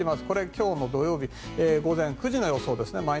これ、今日の土曜日午前９時の予想ですね。